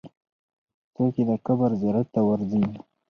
څوک یې د قبر زیارت ته ورځي؟